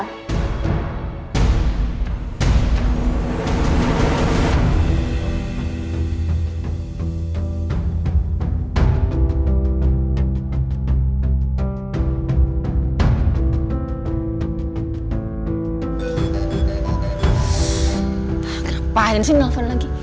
kenapaan sih nelfon lagi